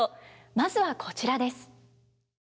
まずはこちらです。